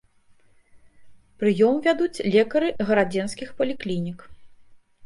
Прыём вядуць лекары гарадзенскіх паліклінік.